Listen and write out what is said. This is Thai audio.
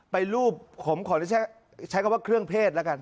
ไปรูปผมขอใช้คำว่าเครื่องเพศแล้วกันครับ